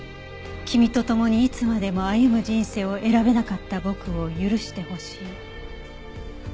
「君とともにいつまでも歩む人生を選べなかった僕を許して欲しい」